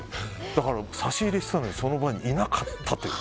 だから差し入れしたのにその場にいなかったっていう。